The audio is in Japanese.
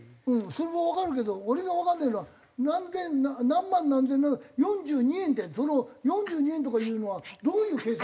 それもわかるけど俺がわかんねえのは何千何万何千円４２円ってその４２円とかいうのはどういう計算？